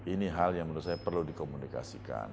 ini hal yang menurut saya perlu dikomunikasikan